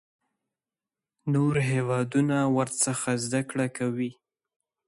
نور هیوادونه ورڅخه زده کړه کوي.